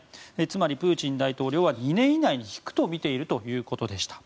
つまりプーチン大統領は２年以内に引くと見ているということでした。